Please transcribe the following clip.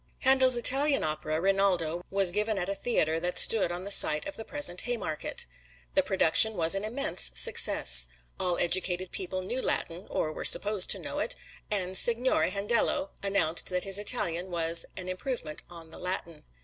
Handel's Italian opera, "Rinaldo," was given at a theater that stood on the site of the present Haymarket. The production was an immense success. All educated people knew Latin (or were supposed to know it), and Signore Handello announced that his Italian was an improvement on the Latin.